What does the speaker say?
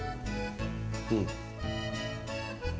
うん？